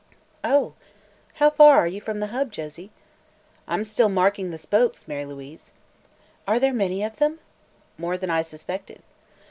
"Oh. How far are you from the hub, Josie?" "I'm still marking the spokes, Mary Louise." "Are there many of them?" "More than I suspected."